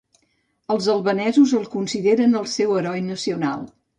Els albanesos el consideren el seu heroi nacional.